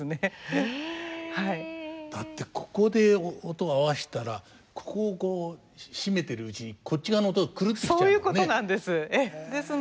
だってここで音を合わしたらここをこう締めているうちにこっち側の音狂ってきちゃうのね。